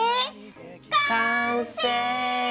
完成！